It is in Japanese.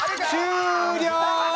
終了！